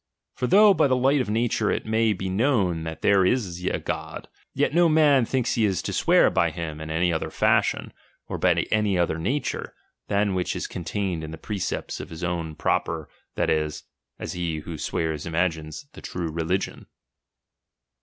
For though by the light of nature it may be known that there is a God, yet no man I thinks he is to swear by him in any other fashion, " or by any other name, than what is contained in the precepts of his own proper, that is (as he who swears imagines) the true religion.